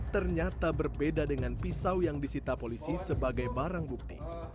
ternyata berbeda dengan pisau yang disita polisi sebagai barang bukti